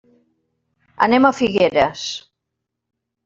Anem a Figueres.